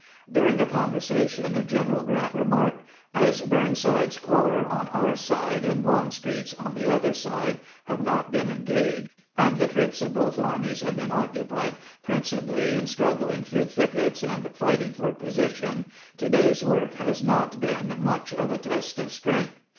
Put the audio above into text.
During the conversation General G rant remarked: " As Burnside's corps, on our side, and Longstreet's, on the other side, have not been engaged, and the troops of both armies have been occupied principally in strug gling through thickets and fighting for position, to day's work has not been much of a test of strength.